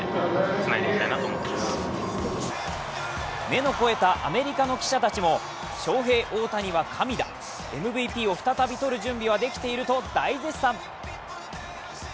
目の肥えたアメリカの記者たちもショウヘイ・オオタニは神だＭＶＰを再び取る準備はできていると大絶賛。